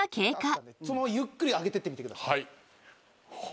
ゆっくり上げてみてください。